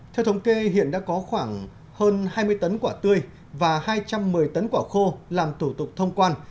theo thống kê hiện đã có khoảng hơn hai mươi tấn quả tươi và hai trăm một mươi tấn quả khô làm thủ tục thông quan